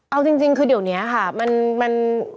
เอาจริงคือเดี๋ยวนี้ค่ะมัน